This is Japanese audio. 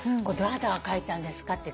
これどなたが書いたんですか？